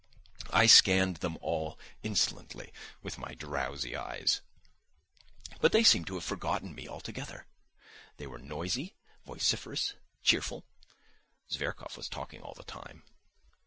I scanned them all insolently with my drowsy eyes. But they seemed to have forgotten me altogether. They were noisy, vociferous, cheerful. Zverkov was talking all the time.